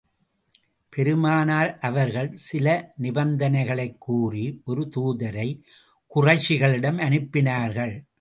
பெருமானார் அவர்கள் சில நிபந்தனைகளைத் கூறி, ஒரு தூதரை குறைஷிகளிடம் அனுப்பினார்கள்.